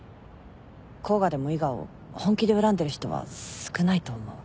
甲賀でも伊賀を本気で恨んでる人は少ないと思う。